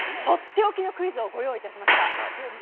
とっておきのクイズをご用意致しました。